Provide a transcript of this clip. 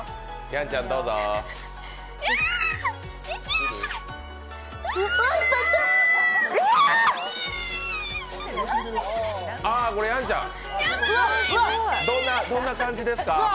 やんちゃん、どんな感じですか？